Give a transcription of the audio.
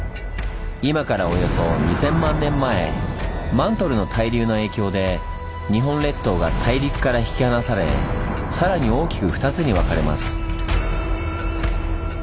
今からおよそ２，０００万年前マントルの対流の影響で日本列島が大陸から引き離され更に大きく２つに分かれます。